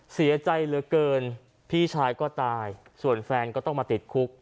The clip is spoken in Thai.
เสียใจเหลือเกินพี่ชายก็ตายส่วนแฟนก็ต้องมาติดคุก